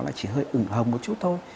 là chỉ hơi ứng hầm một chút thôi